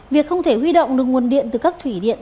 việc không thể huy động được nguồn điện từ các thủy điện